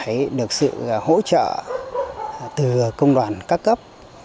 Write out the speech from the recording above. năm hai nghìn một mươi bảy được sự hỗ trợ từ công đoàn cấp cấp